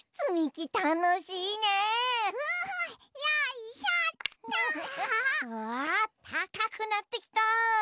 うわたかくなってきた。